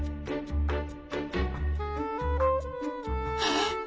えっ？